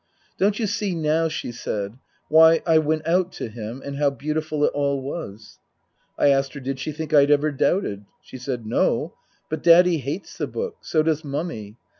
" Don't you see now," she said, " why I went out to him, and how beautiful it all was ?" I asked her did she think I'd ever doubted ? She said :" No. But Daddy hates the book. So does Mummy.